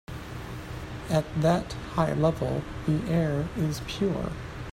At that high level the air is pure.